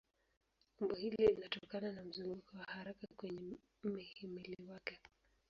Umbo hili linatokana na mzunguko wa haraka kwenye mhimili wake.